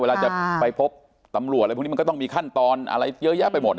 เวลาจะไปพบตำรวจอะไรพวกนี้มันก็ต้องมีขั้นตอนอะไรเยอะแยะไปหมด